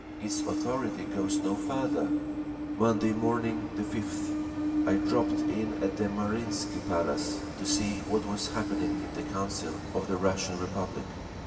Its authority goes no farther…. Monday morning, the 5th, I dropped in at the Marinsky Palace, to see what was happening in the Council of the Russian Republic.